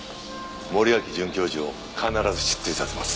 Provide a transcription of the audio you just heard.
森脇准教授を必ず失墜させます。